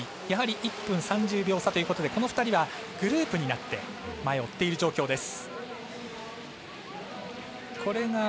やはり１分３０秒差というところでこの２人はグループになって前を追っている状況です。